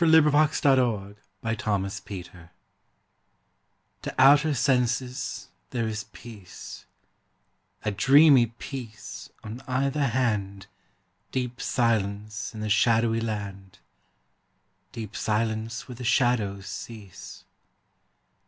fi4S] II LA FUITE DE LA LUNE TO outer senses there is peace, A dreamy peace on either hand, Deep silence in the shadowy land, Deep silence where the shadows cease.